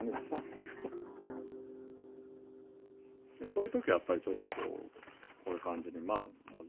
そういうときはやっぱりちょっとこうこういう感じに。